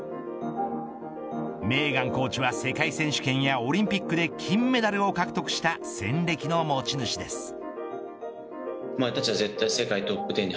メーガンコーチは世界選手権やオリンピックで金メダルを獲得した戦歴の持ち主です。